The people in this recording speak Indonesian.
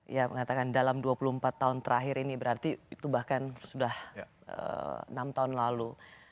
ya mengatakan dalam dua puluh empat tahun terakhir ini berarti itu bahkan sudah enam tahun lalu